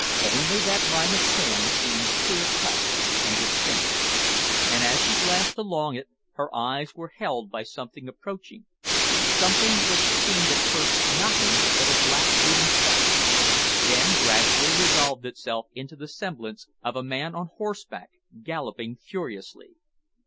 Only that line of sand seemed still clear cut and distinct, and as she glanced along it her eyes were held by something approaching, something which seemed at first nothing but a black, moving speck, then gradually resolved itself into the semblance of a man on horseback, galloping furiously.